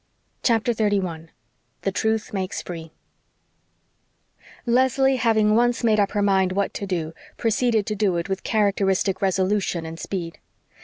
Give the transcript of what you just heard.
CHAPTER 31 THE TRUTH MAKES FREE Leslie, having once made up her mind what to do, proceeded to do it with characteristic resolution and speed.